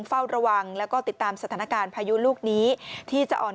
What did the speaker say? เฝ้าระวังแล้วก็ติดตามสถานการณ์พายุลูกนี้ที่จะอ่อน